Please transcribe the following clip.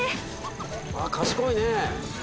あぁ賢いね。